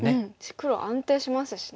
黒安定しますしね。